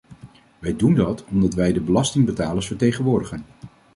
Wij doen dat omdat wij de belastingbetalers vertegenwoordigen.